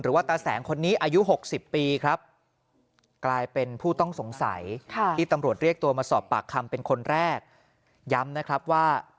หรือว่าตาแสงคนนี้อายุหกสิบปีครับกลายเป็นผู้ต้องสงสัยที่ตำรวจเรียกตัว